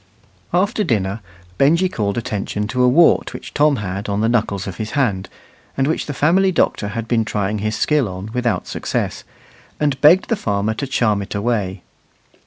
After dinner Benjy called attention to a wart which Tom had on the knuckles of his hand, and which the family doctor had been trying his skill on without success, and begged the farmer to charm it away.